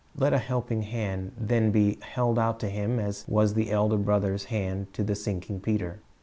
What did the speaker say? Let a helping hand then be held out to him as was the Elder Brother's hand to the sinking Peter.